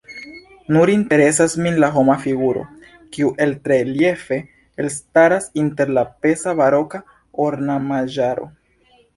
Nur interesas min la homa figuro, kiu altreliefe elstaras inter la peza baroka ornamaĵaro.